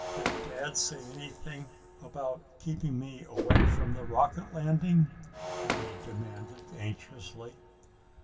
"Did Dad say anything about keeping me away from the rocket landing?" Johnny demanded anxiously.